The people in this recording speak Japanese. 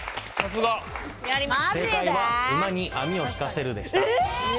正解は馬に網を引かせるでした。